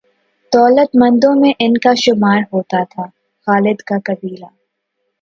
دولت مندوں میں ان کا شمار ہوتا تھا۔ خالد کا قبیلہ